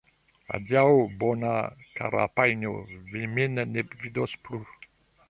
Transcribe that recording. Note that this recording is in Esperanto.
Adiaŭ, bona, kara panjo, vi min ne vidos plu!